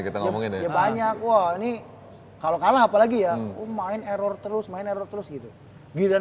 kita ngomongin ya banyak wah ini kalau kalah apalagi ya main error terus main error terus gitu giliran